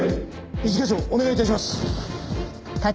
一課長お願い致します。